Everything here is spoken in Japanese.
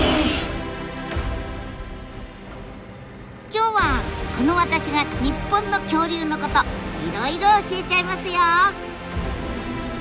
今日はこの私が日本の恐竜のこといろいろ教えちゃいますよ。